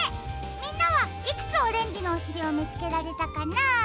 みんなはいくつオレンジのおしりをみつけられたかな？